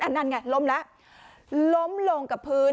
นั่นไงล้มแล้วล้มลงกับพื้น